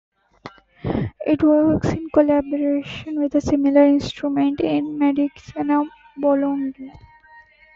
It works in collaboration with a similar instrument in Medicina, Bologna.